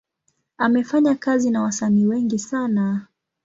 Amefanya kazi na wasanii wengi sana.